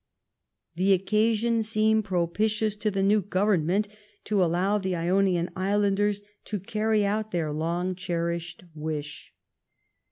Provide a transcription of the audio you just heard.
The occasion seemed propitious to the new Government to allow the Ionian Islanders to carry out their long cherished wish.